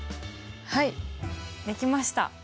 はいできました。